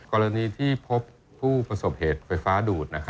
กรณีที่พบผู้ประสบเหตุไฟฟ้าดูด